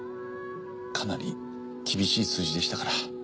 かなり厳しい数字でしたから。